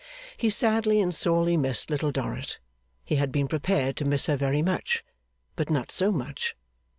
He sadly and sorely missed Little Dorrit. He had been prepared to miss her very much, but not so much.